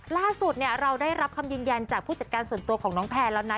ล่าสุดเราได้รับคำยืนยันจากผู้จัดการส่วนตัวของน้องแพนแล้วนะ